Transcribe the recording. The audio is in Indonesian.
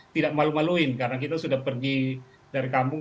tidak malu maluin karena kita sudah pergi dari kampung